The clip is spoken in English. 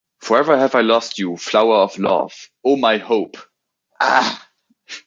Forever have I lost you, flower of love, oh my hope; ah!